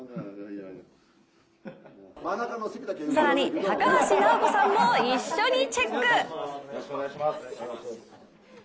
更に、高橋尚子さんも一緒にチェック。